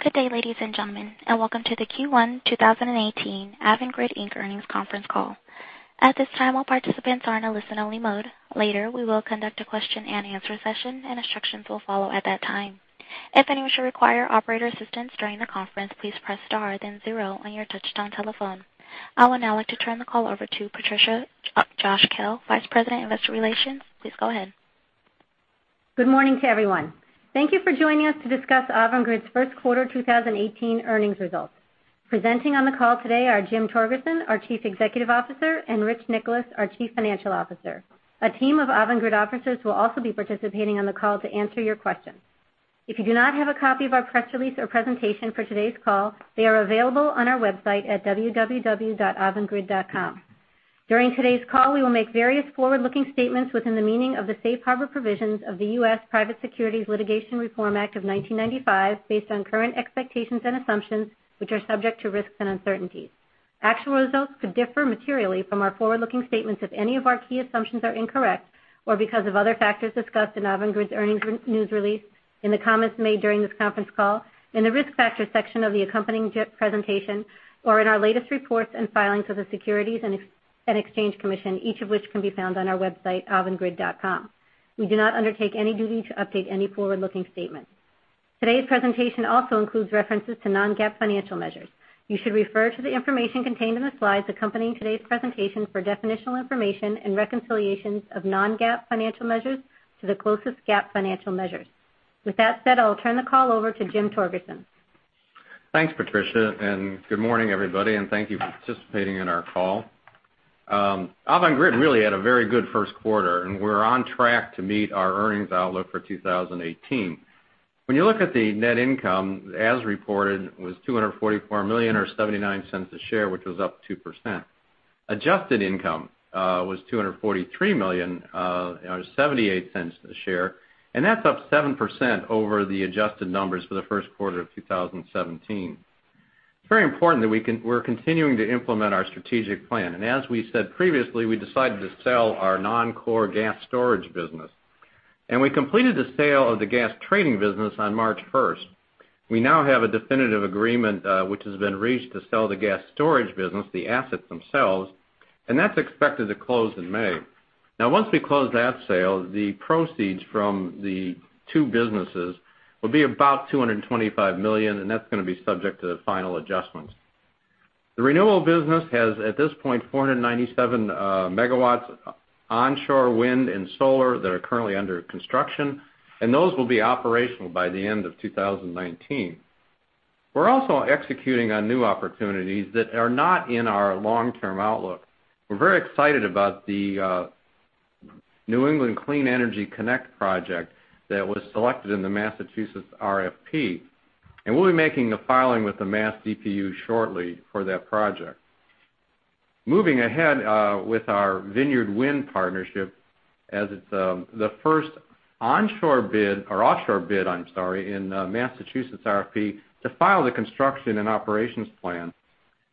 Good day, ladies and gentlemen, and welcome to the Q1 2018 Avangrid, Inc. earnings conference call. At this time, all participants are in a listen-only mode. Later, we will conduct a question-and-answer session, and instructions will follow at that time. If anyone should require operator assistance during the conference, please press star then zero on your touch-tone telephone. I would now like to turn the call over to Josh Kell, Vice President, Investor Relations. Please go ahead. Good morning to everyone. Thank you for joining us to discuss Avangrid's first quarter 2018 earnings results. Presenting on the call today are Jim Torgerson, our Chief Executive Officer, and Rich Nicholas, our Chief Financial Officer. A team of Avangrid officers will also be participating on the call to answer your questions. If you do not have a copy of our press release or presentation for today's call, they are available on our website at www.avangrid.com. During today's call, we will make various forward-looking statements within the meaning of the Safe Harbor provisions of the U.S. Private Securities Litigation Reform Act of 1995, based on current expectations and assumptions, which are subject to risks and uncertainties. Actual results could differ materially from our forward-looking statements if any of our key assumptions are incorrect, or because of other factors discussed in Avangrid's earnings news release, in the comments made during this conference call, in the Risk Factors section of the accompanying presentation, or in our latest reports and filings with the Securities and Exchange Commission, each of which can be found on our website, avangrid.com. We do not undertake any duty to update any forward-looking statement. Today's presentation also includes references to non-GAAP financial measures. You should refer to the information contained in the slides accompanying today's presentation for definitional information and reconciliations of non-GAAP financial measures to the closest GAAP financial measures. With that said, I'll turn the call over to Jim Torgerson. Thanks, Patricia, good morning, everybody, and thank you for participating in our call. Avangrid really had a very good first quarter, and we're on track to meet our earnings outlook for 2018. When you look at the net income, as reported, was $244 million, or $0.79 a share, which was up 2%. Adjusted income was $243 million, or $0.78 a share, and that's up 7% over the adjusted numbers for the first quarter of 2017. It's very important that we're continuing to implement our strategic plan. As we said previously, we decided to sell our non-core gas storage business. We completed the sale of the gas trading business on March 1st. We now have a definitive agreement which has been reached to sell the gas storage business, the assets themselves, and that's expected to close in May. Once we close that sale, the proceeds from the two businesses will be about $225 million, and that's going to be subject to the final adjustments. The renewable business has, at this point, 497 megawatts onshore wind and solar that are currently under construction, and those will be operational by the end of 2019. We're also executing on new opportunities that are not in our long-term outlook. We're very excited about the New England Clean Energy Connect project that was selected in the Massachusetts RFP, and we'll be making a filing with the Mass DPU shortly for that project. Moving ahead with our Vineyard Wind partnership, as it's the first offshore bid, I'm sorry, in Massachusetts RFP to file the construction and operations plan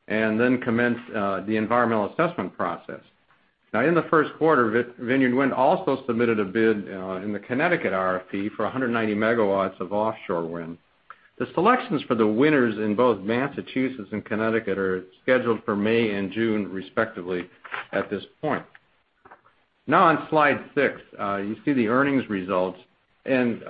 and then commence the environmental assessment process. In the first quarter, Vineyard Wind also submitted a bid in the Connecticut RFP for 190 megawatts of offshore wind. The selections for the winners in both Massachusetts and Connecticut are scheduled for May and June, respectively, at this point. On slide six, you see the earnings results and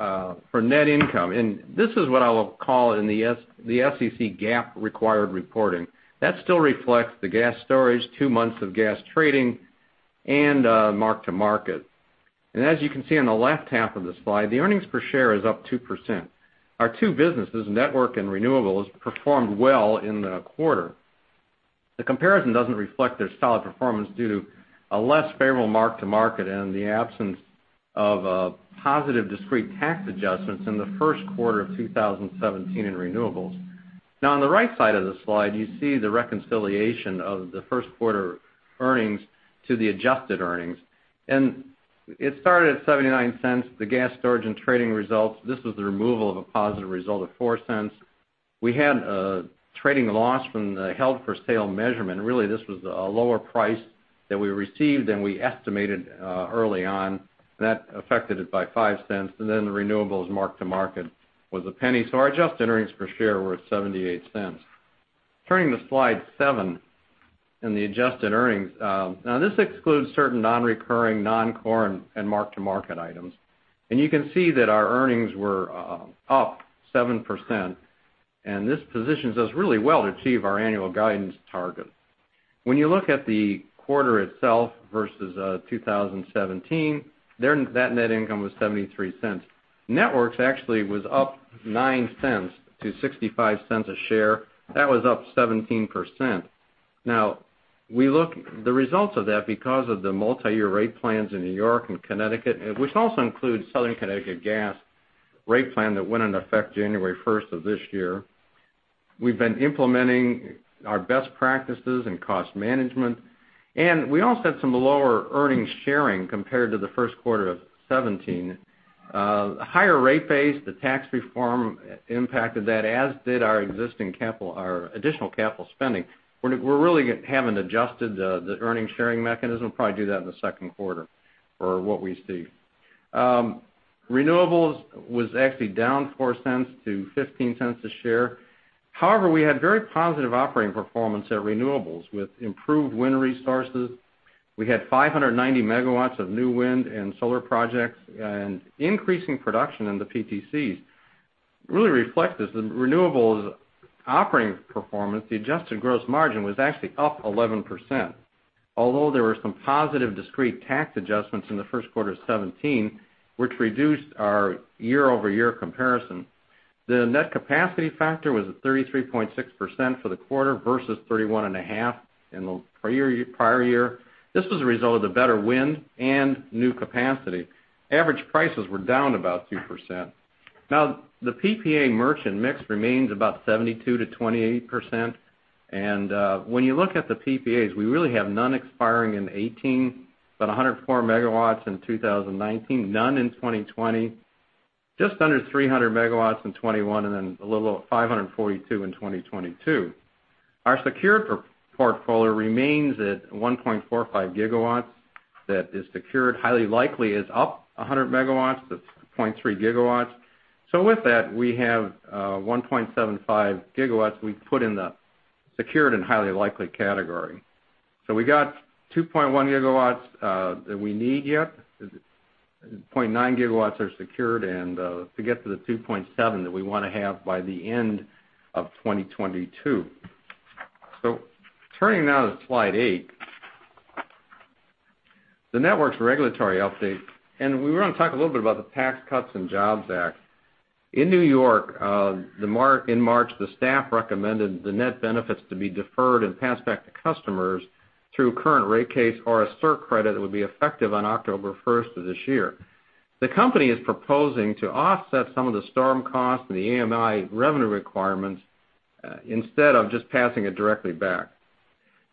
for net income. This is what I will call in the SEC GAAP required reporting. That still reflects the gas storage, two months of gas trading, and mark-to-market. As you can see on the left half of the slide, the earnings per share is up 2%. Our two businesses, network and renewables, performed well in the quarter. The comparison doesn't reflect their solid performance due to a less favorable mark-to-market and the absence of positive discrete tax adjustments in the first quarter of 2017 in renewables. On the right side of the slide, you see the reconciliation of the first quarter earnings to the adjusted earnings. It started at $0.79, the gas storage and trading results. This was the removal of a positive result of $0.04. We had a trading loss from the held-for-sale measurement. Really, this was a lower price that we received than we estimated early on. That affected it by $0.05. The renewables mark-to-market was $0.01. Our adjusted earnings per share were $0.78. Turning to slide seven in the adjusted earnings. This excludes certain non-recurring, non-core, and mark-to-market items. You can see that our earnings were up 7%, and this positions us really well to achieve our annual guidance targets. When you look at the quarter itself versus 2017, that net income was $0.73. Networks actually was up $0.09 to $0.65 a share. That was up 17%. The results of that, because of the multi-year rate plans in New York and Connecticut, which also includes Southern Connecticut Gas rate plan that went into effect January 1st of this year. We've been implementing our best practices and cost management, and we also had some lower earnings sharing compared to the first quarter of 2017. A higher rate base, the tax reform impacted that, as did our additional capital spending. We really haven't adjusted the earning sharing mechanism. Probably do that in the second quarter for what we see. Renewables was actually down $0.04 to $0.15 a share. However, we had very positive operating performance at renewables with improved wind resources. We had 590 megawatts of new wind and solar projects, and increasing production in the PTCs. It really reflects this, in renewables operating performance, the adjusted gross margin was actually up 11%, although there were some positive discrete tax adjustments in the first quarter of 2017, which reduced our year-over-year comparison. The net capacity factor was at 33.6% for the quarter versus 31.5% in the prior year. This was a result of the better wind and new capacity. Average prices were down about 2%. The PPA merchant mix remains about 72%-28%, and when you look at the PPAs, we really have none expiring in 2018, about 104 megawatts in 2019, none in 2020, just under 300 megawatts in 2021, and then a little over 542 in 2022. Our secured portfolio remains at 1.45 gigawatts. That is secured, highly likely is up 100 megawatts to 0.3 gigawatts. With that, we have 1.75 gigawatts we've put in the secured and highly likely category. We got 2.1 gigawatts that we need yet, 0.9 gigawatts are secured, and to get to the 2.7 that we want to have by the end of 2022. Turning now to slide eight, the network's regulatory update, and we want to talk a little bit about the Tax Cuts and Jobs Act. In New York, in March, the staff recommended the net benefits to be deferred and passed back to customers through current rate case or a surcredit that would be effective on October 1st of this year. The company is proposing to offset some of the storm costs and the AMI revenue requirements, instead of just passing it directly back.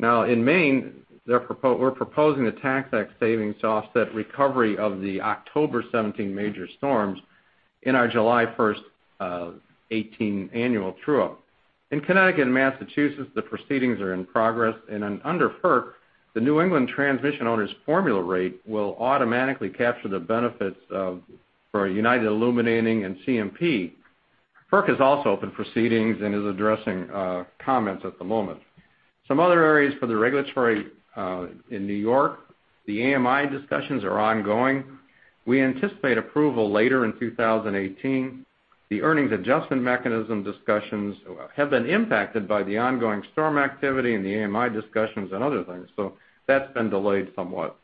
In Maine, we're proposing the Tax Act savings offset recovery of the October 17 major storms in our July 1st of 2018 annual true-up. In Connecticut and Massachusetts, the proceedings are in progress, under FERC, the New England transmission owner's formula rate will automatically capture the benefits for United Illuminating and CMP. FERC has also opened proceedings and is addressing comments at the moment. Some other areas for the regulatory in New York, the AMI discussions are ongoing. We anticipate approval later in 2018. The earnings adjustment mechanism discussions have been impacted by the ongoing storm activity and the AMI discussions and other things. That's been delayed somewhat.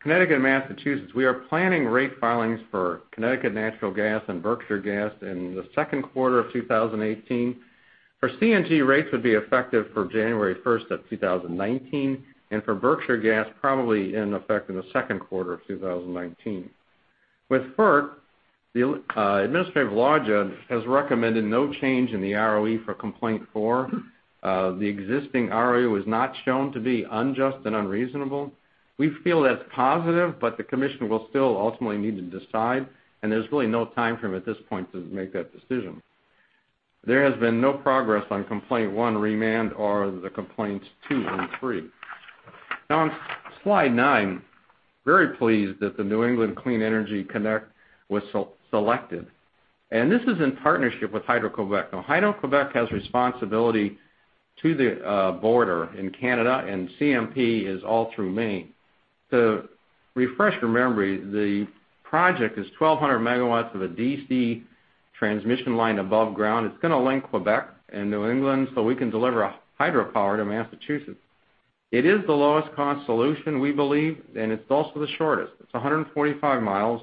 Connecticut and Massachusetts, we are planning rate filings for Connecticut Natural Gas and Berkshire Gas in the second quarter of 2018. For CNG, rates would be effective for January 1st of 2019, and for Berkshire Gas, probably in effect in the second quarter of 2019. With FERC, the administrative law judge has recommended no change in the ROE for complaint four. The existing ROE was not shown to be unjust and unreasonable. We feel that's positive, but the commission will still ultimately need to decide, and there's really no timeframe at this point to make that decision. There has been no progress on complaint one remand or the complaints two and three. On slide nine, very pleased that the New England Clean Energy Connect was selected. This is in partnership with Hydro-Québec. Hydro-Québec has responsibility to the border in Canada, and CMP is all through Maine. To refresh your memory, the project is 1,200 megawatts of a DC transmission line above ground. It's going to link Québec and New England so we can deliver hydropower to Massachusetts. It is the lowest-cost solution, we believe, and it's also the shortest. It's 145 miles,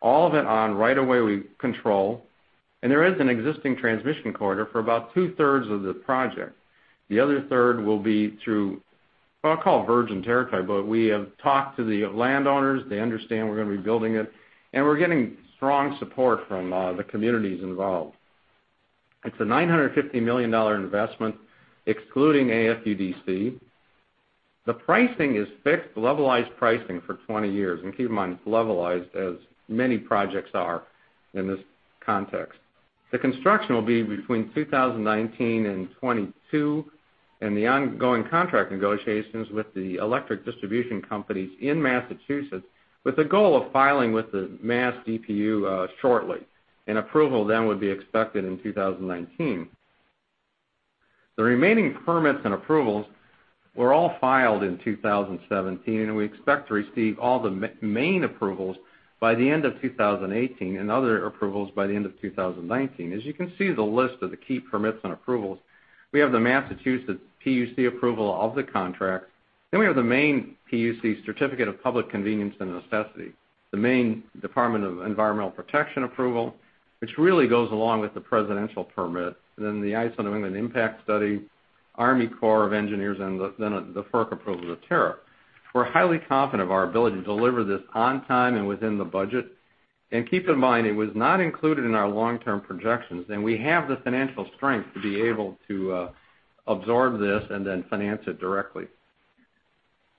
all of it on right away we control. There is an existing transmission corridor for about two-thirds of the project. The other third will be through, I'll call it virgin territory, but we have talked to the landowners. They understand we're going to be building it. We're getting strong support from the communities involved. It's a $950 million investment, excluding AFUDC. The pricing is fixed levelized pricing for 20 years. Keep in mind, levelized as many projects are in this context. The construction will be between 2019 and 2022, and the ongoing contract negotiations with the electric distribution companies in Massachusetts, with the goal of filing with the Mass DPU shortly. An approval then would be expected in 2019. The remaining permits and approvals were all filed in 2017, and we expect to receive all the Maine approvals by the end of 2018 and other approvals by the end of 2019. As you can see, the list of the key permits and approvals, we have the Massachusetts PUC approval of the contract. Then we have the Maine PUC Certificate of Public Convenience and Necessity, the Maine Department of Environmental Protection approval, which really goes along with the presidential permit, and then the ISO New England impact study, Army Corps of Engineers, and then the FERC approval of the tariff. We're highly confident of our ability to deliver this on time and within the budget. Keep in mind, it was not included in our long-term projections, and we have the financial strength to be able to absorb this and then finance it directly.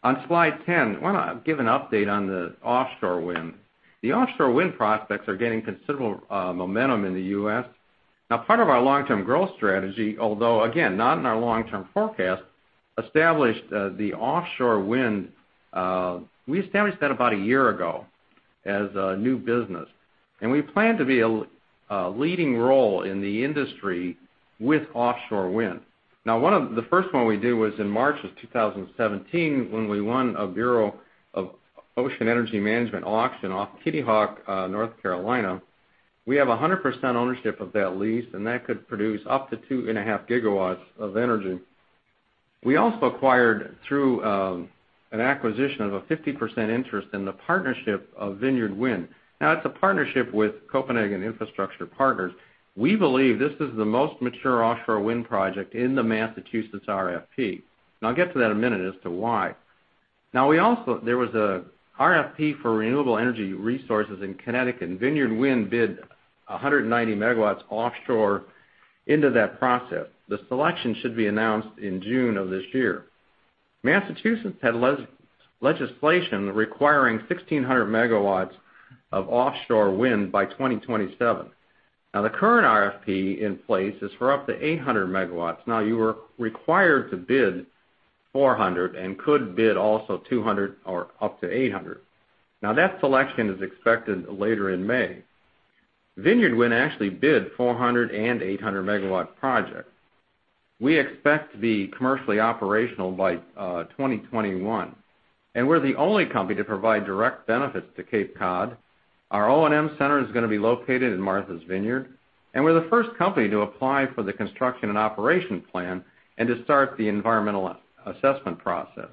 On slide 10, why not give an update on the offshore wind. The offshore wind prospects are gaining considerable momentum in the U.S. Part of our long-term growth strategy, although, again, not in our long-term forecast. We established that about a year ago as a new business, and we plan to be a leading role in the industry with offshore wind. The first one we did was in March of 2017, when we won a Bureau of Ocean Energy Management auction off Kitty Hawk, North Carolina. We have 100% ownership of that lease, and that could produce up to two and a half gigawatts of energy. We also acquired, through an acquisition of a 50% interest in the partnership of Vineyard Wind. It's a partnership with Copenhagen Infrastructure Partners. We believe this is the most mature offshore wind project in the Massachusetts RFP, and I'll get to that in a minute as to why. There was a RFP for renewable energy resources in Connecticut, and Vineyard Wind bid 190 megawatts offshore into that process. The selection should be announced in June of this year. Massachusetts had legislation requiring 1,600 megawatts of offshore wind by 2027. The current RFP in place is for up to 800 megawatts. You are required to bid 400 and could bid also 200 or up to 800. That selection is expected later in May. Vineyard Wind actually bid 400 and 800-megawatt project. We expect to be commercially operational by 2021, and we're the only company to provide direct benefits to Cape Cod. Our O&M center is going to be located in Martha's Vineyard, and we're the first company to apply for the construction and operation plan, and to start the environmental assessment process.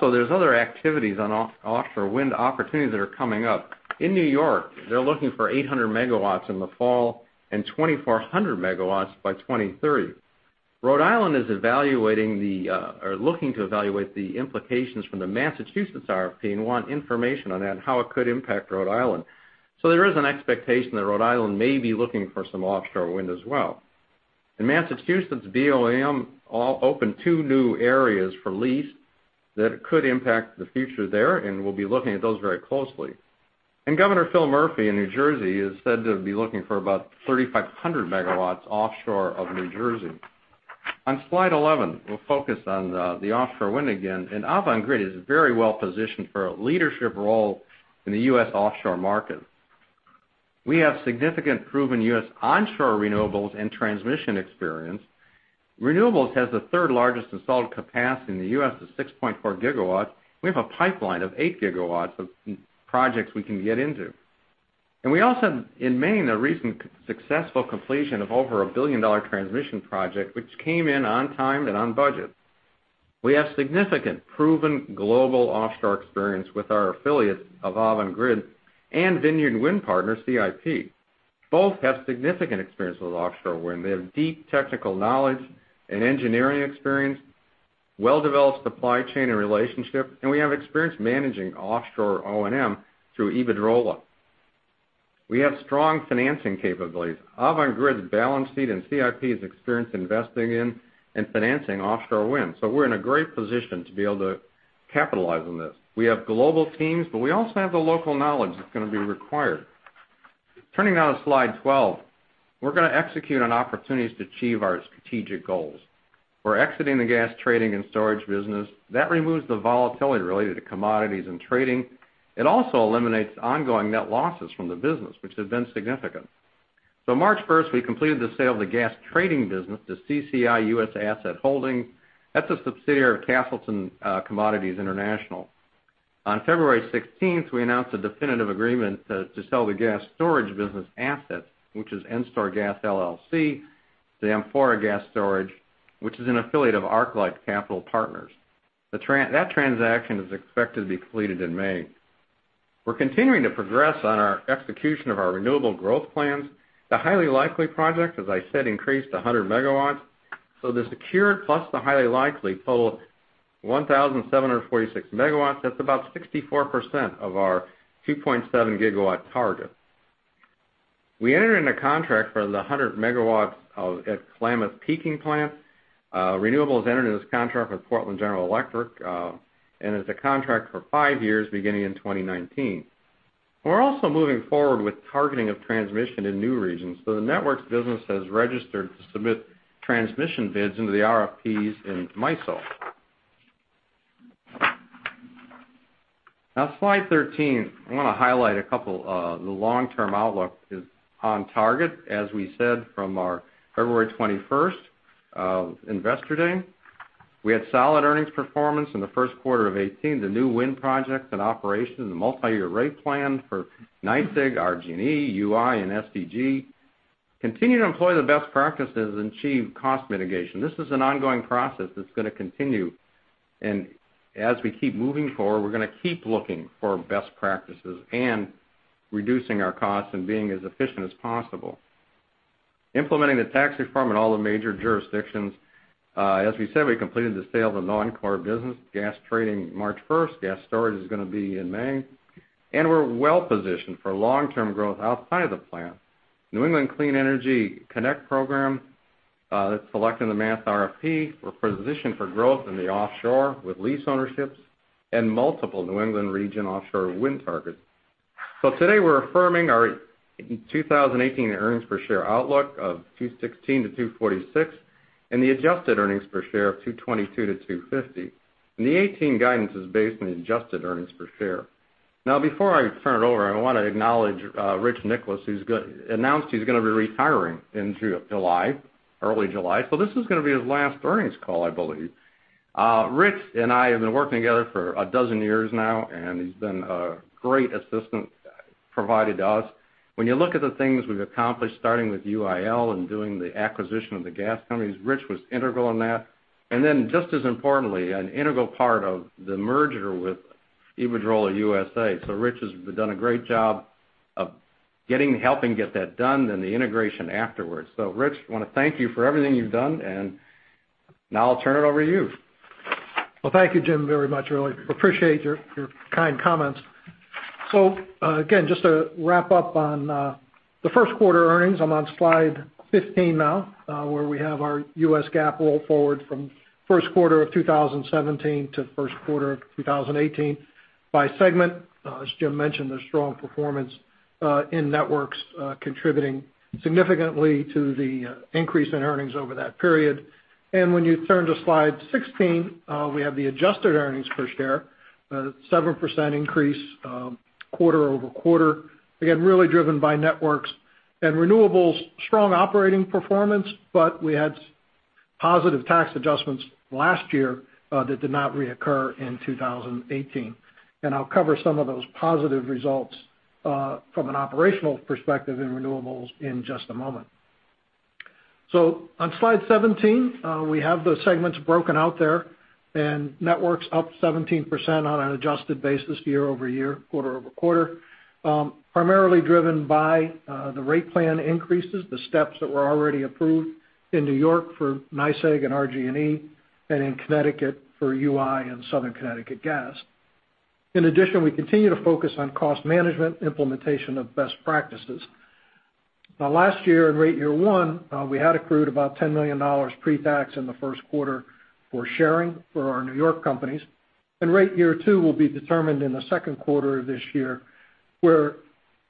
There's other activities on offshore wind opportunities that are coming up. In New York, they're looking for 800 megawatts in the fall and 2,400 megawatts by 2030. Rhode Island is looking to evaluate the implications from the Massachusetts RFP and want information on that and how it could impact Rhode Island. There is an expectation that Rhode Island may be looking for some offshore wind as well. In Massachusetts, BOEM opened two new areas for lease that could impact the future there, we'll be looking at those very closely. Governor Phil Murphy in New Jersey is said to be looking for about 3,500 megawatts offshore of New Jersey. On slide 11, we'll focus on the offshore wind again, Avangrid is very well-positioned for a leadership role in the U.S. offshore market. We have significant proven U.S. onshore renewables and transmission experience. Renewables has the third-largest installed capacity in the U.S. of 6.4 gigawatts. We have a pipeline of eight gigawatts of projects we can get into. We also, in Maine, a recent successful completion of over a billion-dollar transmission project, which came in on time and on budget. We have significant proven global offshore experience with our affiliates of Avangrid and Vineyard Wind Partners, CIP. Both have significant experience with offshore wind. They have deep technical knowledge and engineering experience, well-developed supply chain and relationship, we have experience managing offshore O&M through Iberdrola. We have strong financing capabilities. Avangrid's balance sheet and CIP's experience investing in and financing offshore wind. We're in a great position to be able to capitalize on this. We have global teams, we also have the local knowledge that's going to be required. Turning now to slide 12, we're going to execute on opportunities to achieve our strategic goals. We're exiting the gas trading and storage business. That removes the volatility related to commodities and trading. It also eliminates ongoing net losses from the business, which have been significant. March 1st, we completed the sale of the gas trading business to CCI U.S. Asset Holding. That's a subsidiary of Castleton Commodities International. On February 16th, we announced a definitive agreement to sell the gas storage business asset, which is Enstor Gas LLC to Amphora Gas Storage, which is an affiliate of ArcLight Capital Partners. That transaction is expected to be completed in May. We're continuing to progress on our execution of our renewable growth plans. The highly likely project, as I said, increased 100 megawatts, the secured plus the highly likely total of 1,746 megawatts, that's about 64% of our 2.7 gigawatt target. We entered into a contract for the 100 megawatts at Klamath Peaking Plant. Renewables entered into this contract with Portland General Electric, it's a contract for five years, beginning in 2019. We're also moving forward with targeting of transmission in new regions. The networks business has registered to submit transmission bids into the RFPs in MISO. Now, slide 13, I want to highlight a couple. The long-term outlook is on target, as we said from our February 21st investor day. We had solid earnings performance in the first quarter of 2018. The new wind projects and operations, the multi-year rate plan for NYSEG, RG&E, UI, and SCG. Continue to employ the best practices and achieve cost mitigation. This is an ongoing process that's going to continue, as we keep moving forward, we're going to keep looking for best practices and reducing our costs and being as efficient as possible. Implementing the tax reform in all the major jurisdictions. As we said, we completed the sale of the non-core business, gas trading March 1st. Gas storage is going to be in May. We're well-positioned for long-term growth outside of the plant. New England Clean Energy Connect program that's selected the Mass RFP. We're positioned for growth in the offshore with lease ownerships and multiple New England region offshore wind targets. Today we're affirming our 2018 earnings per share outlook of $2.16-$2.46, and the adjusted earnings per share of $2.22-$2.50. The 2018 guidance is based on adjusted earnings per share. Before I turn it over, I want to acknowledge Rich Nicholas, who's announced he's going to be retiring in July, early July. This is going to be his last earnings call, I believe. Rich and I have been working together for 12 years now. He's been a great assistant, provided to us. When you look at the things we've accomplished, starting with UIL and doing the acquisition of the gas companies, Rich was integral in that. Then just as importantly, an integral part of the merger with Iberdrola USA. Rich has done a great job of helping get that done, then the integration afterwards. Rich, I want to thank you for everything you've done. Now I'll turn it over to you. Well, thank you, Jim, very much. Really appreciate your kind comments. Again, just to wrap up on the first quarter earnings, I'm on slide 15 now, where we have our U.S. GAAP roll forward from first quarter of 2017 to first quarter of 2018 by segment. As Jim mentioned, the strong performance in networks contributing significantly to the increase in earnings over that period. When you turn to slide 16, we have the adjusted earnings per share, 7% increase quarter-over-quarter. Again, really driven by networks. Renewables, strong operating performance, but we had positive tax adjustments last year that did not reoccur in 2018. I'll cover some of those positive results from an operational perspective in renewables in just a moment. On slide 17, we have the segments broken out there. Networks up 17% on an adjusted basis year-over-year, quarter-over-quarter. Primarily driven by the rate plan increases, the steps that were already approved in New York for NYSEG and RG&E, and in Connecticut for UI and Southern Connecticut Gas. In addition, we continue to focus on cost management, implementation of best practices. Now last year in rate year one, we had accrued about $10 million pre-tax in the first quarter for sharing for our New York companies. Rate year two will be determined in the second quarter of this year, where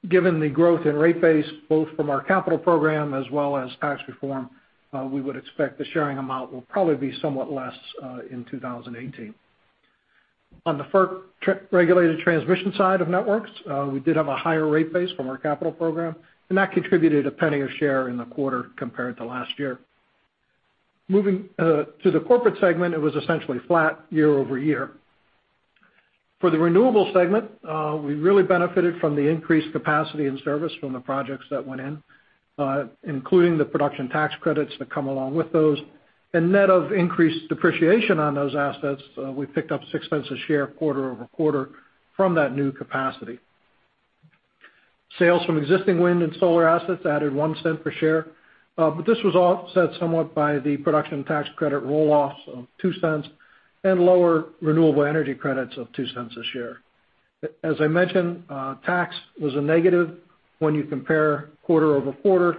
given the growth in rate base, both from our capital program as well as tax reform, we would expect the sharing amount will probably be somewhat less, in 2018. On the FERC-regulated transmission side of networks, we did have a higher rate base from our capital program, and that contributed $0.01 a share in the quarter compared to last year. Moving to the corporate segment, it was essentially flat year-over-year. For the renewable segment, we really benefited from the increased capacity and service from the projects that went in, including the Production Tax Credits that come along with those. Net of increased depreciation on those assets, we picked up $0.06 a share quarter-over-quarter from that new capacity. Sales from existing wind and solar assets added $0.01 per share. This was offset somewhat by the Production Tax Credit roll-offs of $0.02 and lower renewable energy credits of $0.02 a share. As I mentioned, tax was a negative when you compare quarter-over-quarter,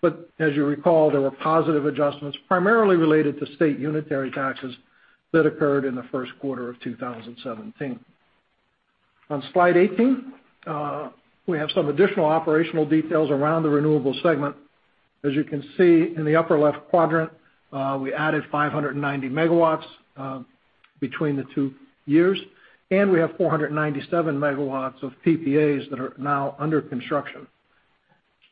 but as you recall, there were positive adjustments, primarily related to state unitary taxes that occurred in the first quarter of 2017. On slide 18, we have some additional operational details around the renewable segment. As you can see in the upper left quadrant, we added 590 megawatts between the two years, and we have 497 megawatts of PPAs that are now under construction.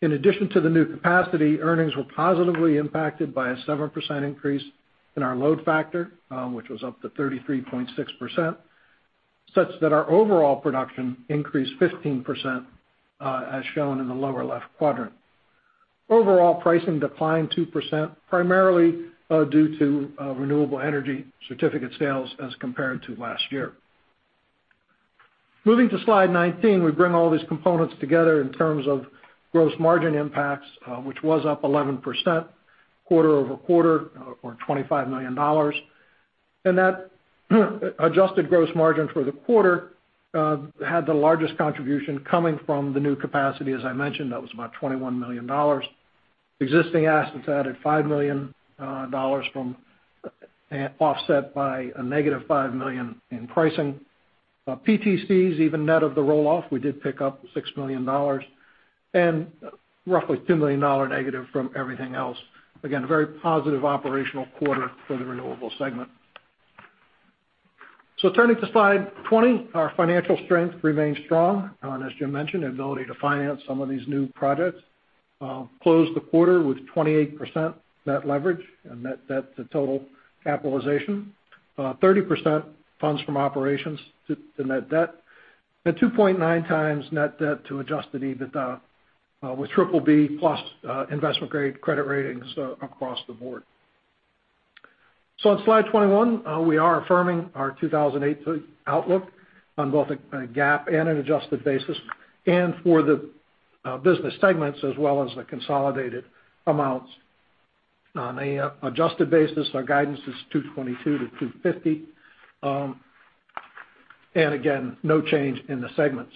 In addition to the new capacity, earnings were positively impacted by a 7% increase in our load factor, which was up to 33.6%, such that our overall production increased 15%, as shown in the lower left quadrant. Overall pricing declined 2%, primarily due to renewable energy certificate sales as compared to last year. Moving to slide 19, we bring all these components together in terms of gross margin impacts, which was up 11% quarter-over-quarter or $25 million. That adjusted gross margin for the quarter had the largest contribution coming from the new capacity, as I mentioned, that was about $21 million. Existing assets added $5 million, offset by a negative $5 million in pricing. PTCs, even net of the roll-off, we did pick up $6 million. Roughly $2 million negative from everything else. Again, a very positive operational quarter for the renewables segment. Turning to slide 20, our financial strength remains strong. As Jim mentioned, the ability to finance some of these new projects. Closed the quarter with 28% net leverage and net debt to total capitalization, 30% funds from operations to net debt, and 2.9 times net debt to adjusted EBITDA, with BBB+ investment-grade credit ratings across the board. On slide 21, we are affirming our 2018 outlook on both a GAAP and an adjusted basis, and for the business segments as well as the consolidated amounts. On the adjusted basis, our guidance is $2.22-$2.50. Again, no change in the segments.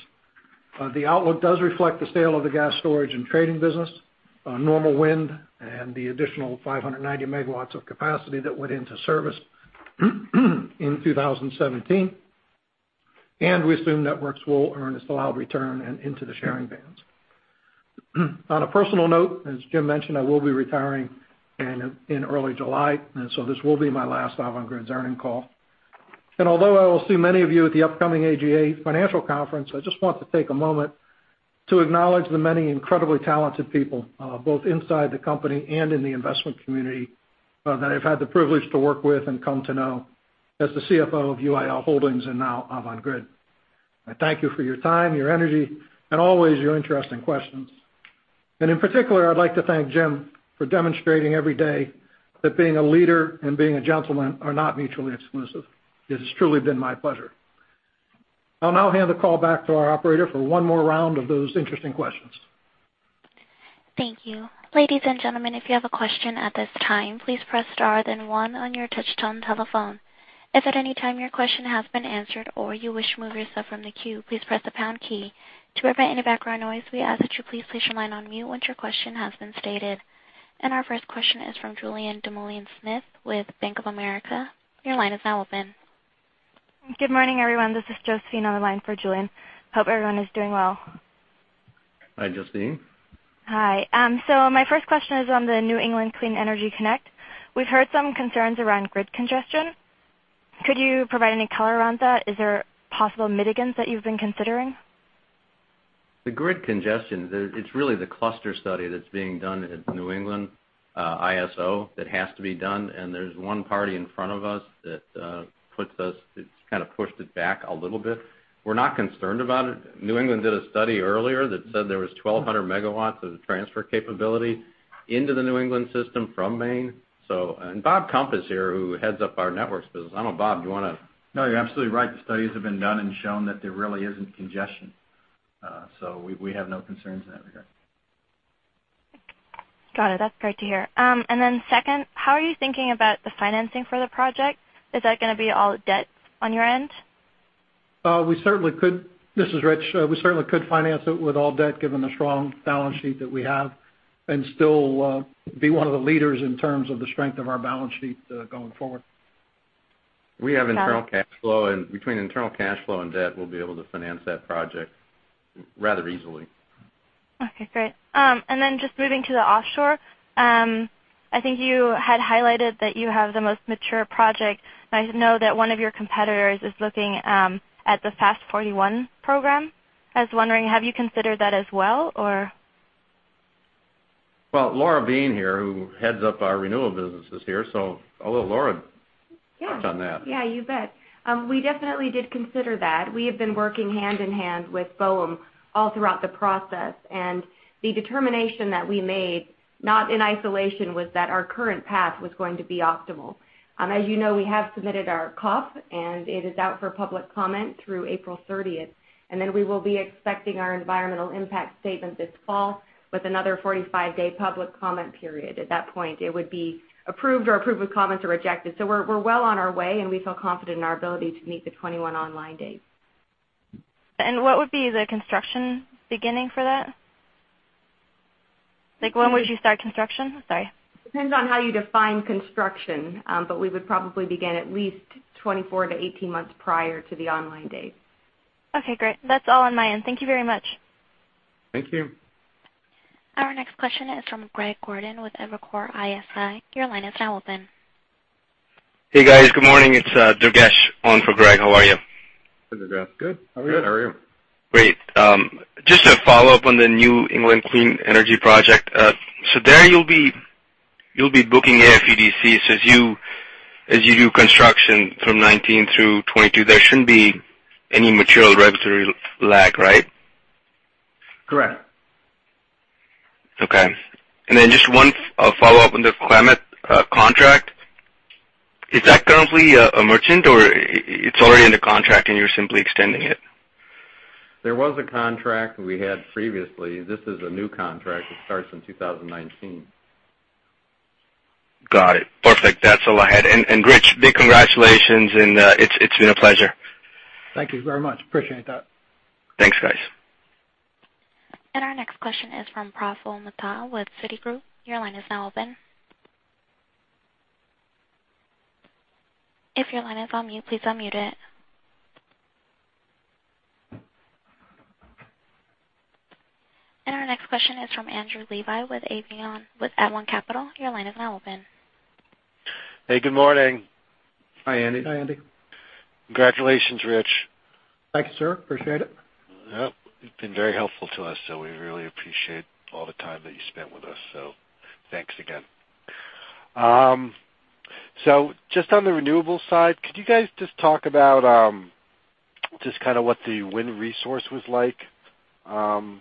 The outlook does reflect the sale of the gas storage and trading business Enstor and the additional 590 megawatts of capacity that went into service in 2017. We assume networks will earn its allowed return and into the sharing bands. On a personal note, as Jim mentioned, I will be retiring in early July, this will be my last Avangrid's earning call. Although I will see many of you at the upcoming AGA Financial Forum, I just want to take a moment to acknowledge the many incredibly talented people, both inside the company and in the investment community, that I've had the privilege to work with and come to know as the CFO of UIL Holdings and now Avangrid. I thank you for your time, your energy, and always your interesting questions. In particular, I'd like to thank Jim for demonstrating every day that being a leader and being a gentleman are not mutually exclusive. It has truly been my pleasure. I'll now hand the call back to our operator for one more round of those interesting questions. Thank you. Ladies and gentlemen, if you have a question at this time, please press star then one on your touchtone telephone. If at any time your question has been answered or you wish to move yourself from the queue, please press the pound key. To prevent any background noise, we ask that you please place your line on mute once your question has been stated. Our first question is from Julien Dumoulin-Smith with Bank of America. Your line is now open. Good morning, everyone. This is Josephine on the line for Julien. Hope everyone is doing well. Hi, Josephine. Hi. My first question is on the New England Clean Energy Connect. We've heard some concerns around grid congestion. Could you provide any color around that? Is there possible mitigants that you've been considering? The grid congestion, it's really the cluster study that's being done at ISO New England that has to be done, there's one party in front of us that kind of pushed it back a little bit. We're not concerned about it. New England did a study earlier that said there was 1,200 megawatts of transfer capability into the New England system from Maine. Robert Kump is here, who heads up our networks business. I don't know, Bob, do you want to? No, you're absolutely right. The studies have been done and shown that there really isn't congestion. We have no concerns in that regard. Got it. That's great to hear. Second, how are you thinking about the financing for the project? Is that going to be all debt on your end? This is Rich. We certainly could finance it with all debt, given the strong balance sheet that we have, and still be one of the leaders in terms of the strength of our balance sheet going forward. We have internal cash flow, between internal cash flow and debt, we'll be able to finance that project rather easily. Okay, great. Then just moving to the offshore. I think you had highlighted that you have the most mature project. I know that one of your competitors is looking at the FAST-41 program. I was wondering, have you considered that as well, or? Well, Laura Beane here, who heads up our renewable business, is here. I'll let Laura touch on that. Yeah, you bet. We definitely did consider that. We have been working hand in hand with BOEM all throughout the process. The determination that we made, not in isolation, was that our current path was going to be optimal. As you know, we have submitted our COP. It is out for public comment through April 30th. We will be expecting our environmental impact statement this fall with another 45-day public comment period. At that point, it would be approved or approved with comments or rejected. We're well on our way, and we feel confident in our ability to meet the 21 online dates. What would be the construction beginning for that? Like, when would you start construction? Sorry. Depends on how you define construction, but we would probably begin at least 24 to 18 months prior to the online date. Okay, great. That's all on my end. Thank you very much. Thank you. Our next question is from Greg Gordon with Evercore ISI. Your line is now open. Hey, guys. Good morning. It's Durgesh on for Greg. How are you? Hi, Durgesh. Good. How are you? Good. How are you? Great. Just a follow-up on the New England Clean Energy Connect project. There you'll be booking AFUDC as you do construction from 2019 through 2022. There shouldn't be any material regulatory lag, right? Correct. Okay. Just one follow-up on the Klamath contract. Is that currently a merchant or it's already in the contract and you're simply extending it? There was a contract we had previously. This is a new contract that starts in 2019. Got it. Perfect. That's all I had. Rich, big congratulations. It's been a pleasure. Thank you very much. Appreciate that. Thanks, guys. Our next question is from Praful Mehta with Citigroup. Your line is now open. If your line is on mute, please unmute it. Our next question is from Andrew Levi with Avalon Capital. Your line is now open. Hey, good morning. Hi, Andy. Hi, Andy. Congratulations, Rich. Thank you, sir. Appreciate it. Yep. You've been very helpful to us, we really appreciate all the time that you spent with us. Thanks again. Just on the renewables side, could you guys just talk about just what the wind resource was like? I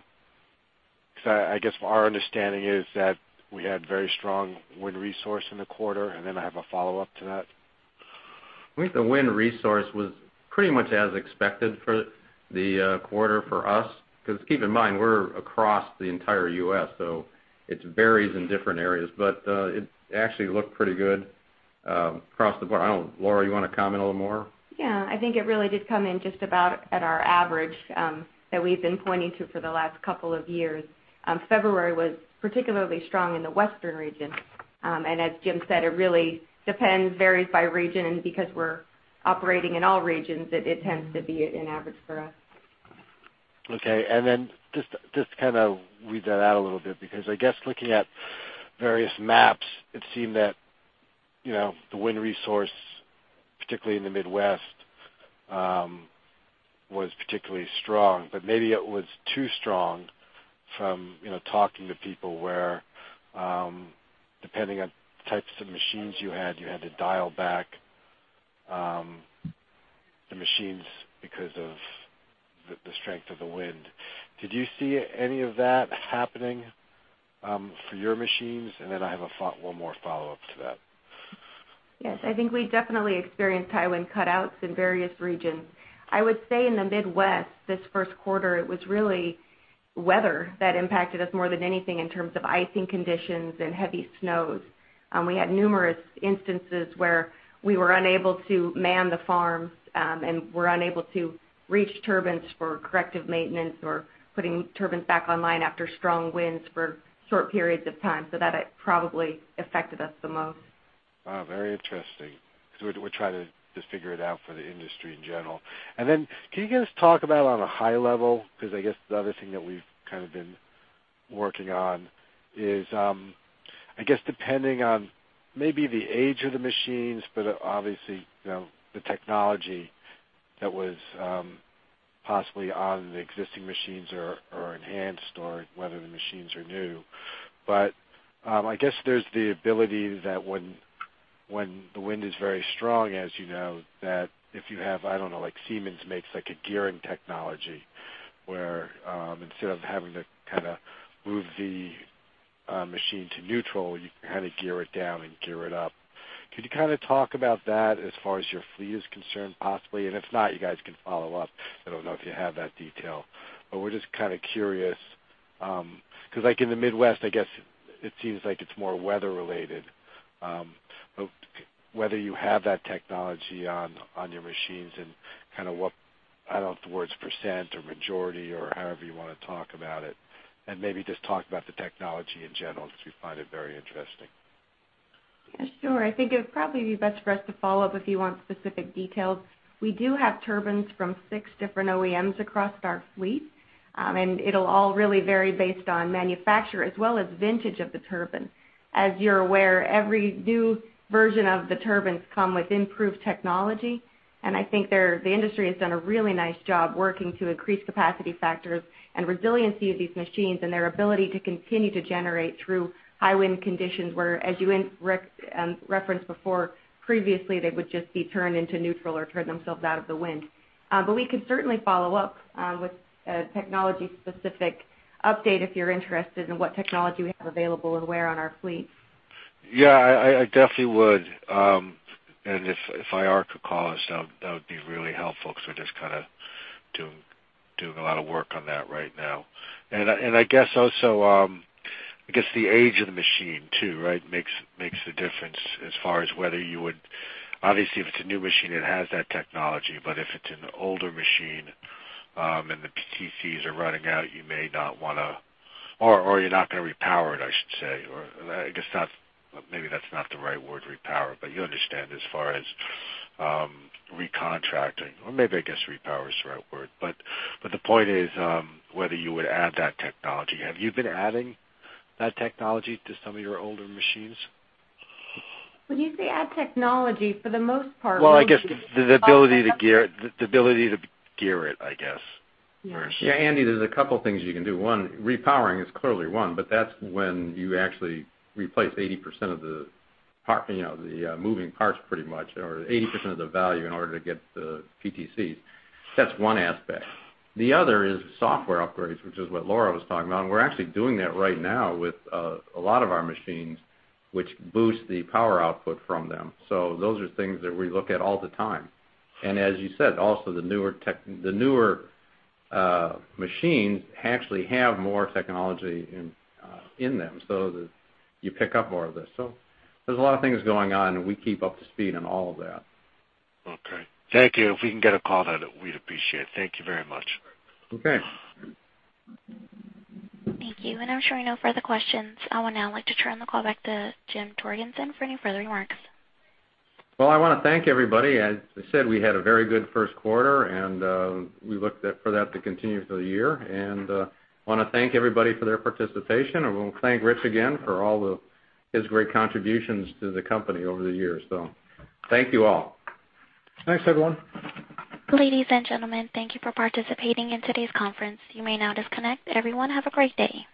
guess our understanding is that we had very strong wind resource in the quarter, and then I have a follow-up to that. I think the wind resource was pretty much as expected for the quarter for us, because keep in mind, we're across the entire U.S., it varies in different areas. It actually looked pretty good Across the board. I don't know, Laura, you want to comment a little more? Yeah. I think it really did come in just about at our average that we've been pointing to for the last couple of years. February was particularly strong in the Western region. As Jim said, it really depends, varies by region, and because we're operating in all regions, it tends to be an average for us. Just to kind of read that out a little bit, because I guess looking at various maps, it seemed that the wind resource, particularly in the Midwest, was particularly strong. Maybe it was too strong from talking to people where, depending on types of machines you had, you had to dial back the machines because of the strength of the wind. Did you see any of that happening for your machines? I have one more follow-up to that. Yes, I think we definitely experienced high-wind cutouts in various regions. I would say in the Midwest, this 1st quarter, it was really weather that impacted us more than anything in terms of icing conditions and heavy snows. We had numerous instances where we were unable to man the farms and were unable to reach turbines for corrective maintenance or putting turbines back online after strong winds for short periods of time. That probably affected us the most. Wow, very interesting, because we're trying to just figure it out for the industry in general. Can you guys talk about on a high level, because I guess the other thing that we've kind of been working on is, I guess depending on maybe the age of the machines, but obviously, the technology that was possibly on the existing machines or are enhanced, or whether the machines are new. I guess there's the ability that when the wind is very strong, as you know, that if you have, I don't know, like Siemens makes like a gearing technology where instead of having to kind of move the machine to neutral, you can kind of gear it down and gear it up. Could you kind of talk about that as far as your fleet is concerned, possibly? If not, you guys can follow up. I don't know if you have that detail. We're just kind of curious, because like in the Midwest, I guess it seems like it's more weather-related. Whether you have that technology on your machines and kind of what, I don't know if the word's % or majority or however you want to talk about it. Maybe just talk about the technology in general, because we find it very interesting. Yeah, sure. I think it'd probably be best for us to follow up if you want specific details. We do have turbines from six different OEMs across our fleet. It'll all really vary based on manufacturer as well as vintage of the turbine. As you're aware, every new version of the turbines come with improved technology, and I think the industry has done a really nice job working to increase capacity factors and resiliency of these machines and their ability to continue to generate through high wind conditions, where, as you referenced before, previously, they would just be turned into neutral or turn themselves out of the wind. We can certainly follow up with a technology-specific update if you're interested in what technology we have available and where on our fleet. Yeah, I definitely would. If IR could call us, that would be really helpful because we're just kind of doing a lot of work on that right now. I guess also, I guess the age of the machine, too, right? Makes the difference as far as whether you would-- obviously, if it's a new machine, it has that technology, but if it's an older machine, and the PTCs are running out, you're not going to repower it, I should say. I guess maybe that's not the right word, repower, but you understand, as far as recontracting. Maybe, I guess repower is the right word. The point is, whether you would add that technology. Have you been adding that technology to some of your older machines? When you say add technology, for the most part. Well, I guess the ability to gear it, I guess. Yeah. Yeah, Andy, there's a two things you can do. One, repowering is clearly one, but that's when you actually replace 80% of the moving parts pretty much, or 80% of the value in order to get the PTCs. That's one aspect. The other is software upgrades, which is what Laura was talking about, and we're actually doing that right now with a lot of our machines, which boost the power output from them. Those are things that we look at all the time. As you said, also the newer machines actually have more technology in them, so you pick up more of this. There's a lot of things going on, and we keep up to speed on all of that. Okay. Thank you. If we can get a call to that, we'd appreciate it. Thank you very much. Okay. Thank you. I'm showing no further questions. I would now like to turn the call back to James Torgerson for any further remarks. I want to thank everybody. As I said, we had a very good first quarter, and we look for that to continue through the year. I want to thank everybody for their participation, and we'll thank Rich again for all of his great contributions to the company over the years. Thank you all. Thanks, everyone. Ladies and gentlemen, thank you for participating in today's conference. You may now disconnect. Everyone, have a great day.